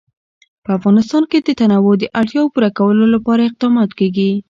په افغانستان کې د تنوع د اړتیاوو پوره کولو لپاره اقدامات کېږي.